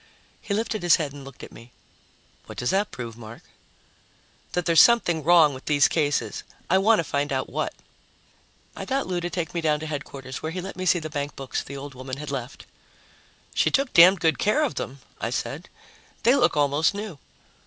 He lifted his head and looked at me. "What does that prove, Mark?" "That there's something wrong with these cases. I want to find out what." I got Lou to take me down to Headquarters, where he let me see the bankbooks the old woman had left. "She took damned good care of them," I said. "They look almost new."